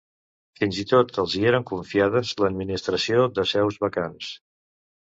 Fins i tot els hi eren confiades l'administració de seus vacants.